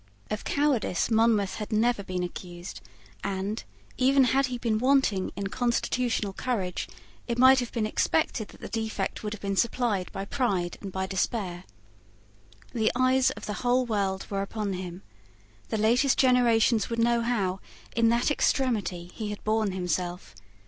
Of cowardice Monmouth had never been accused; and, even had he been wanting in constitutional courage, it might have been expected that the defect would be supplied by pride and by despair. The eyes of the whole world were upon him. The latest generations would know how, in that extremity, he had borne himself.